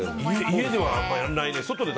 家ではあんまりやらないね。